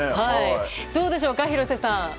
どうでしょうか、廣瀬さん。